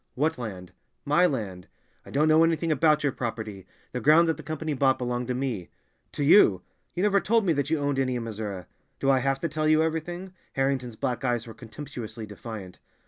"What land?" "My land." "I don't know anything about your property; the ground that the Company bought belonged to me." "To you! You never told me that you owned any in Missouri." "Do I have to tell you everything?" Harrington's black eyes were contemptuously defiant.